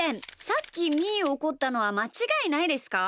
さっきみーをおこったのはまちがいないですか？